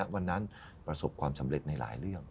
ประสบความสำเร็จในหลายเรื่อง